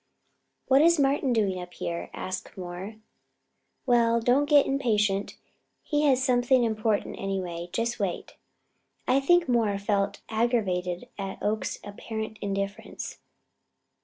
"What is Martin doing up here?" asked Moore. "Well, don't get impatient. He has something important, anyway. Just wait." I think Moore felt aggravated at Oakes's apparent indifference.